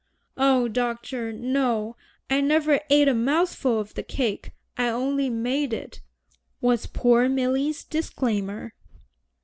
"Oh, Doctor, no, I never ate a mouthful of the cake. I only made it," was poor Milly's disclaimer.